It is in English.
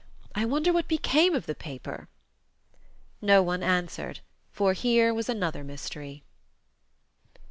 I wonder what became of the paper." No one answered, for here was another mystery.